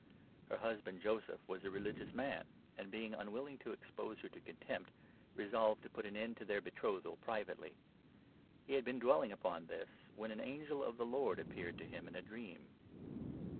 Her husband, 19 Joseph, was a religious man and, being unwilling to expose her to contempt, resolved to put an end to their betrothal privately. He had been dwelling upon this, when an 20 angel of the Lord appeared to him in a dream.